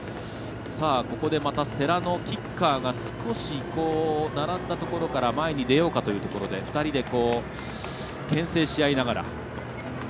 ここでまた、世羅の吉川が少し並んだところから前に出ようかというところで２人でけん制しあいながら。